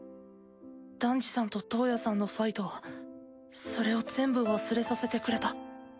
ダンジさんとトウヤさんのファイトはそれを全部忘れさせてくれた。